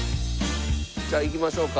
じゃあ行きましょうか。